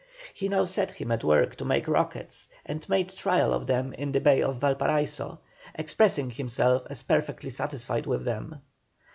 He now set him at work to make rockets, and made trial of them in the bay of Valparaiso, expressing himself as perfectly satisfied with them.